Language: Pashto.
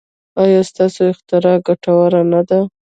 ایا ستاسو اختراع ګټوره نه ده؟